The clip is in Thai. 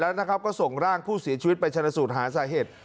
แล้วนะครับก็ส่งร่างผู้เสียชีวิตไปชนะสูตรหาสาเหตุ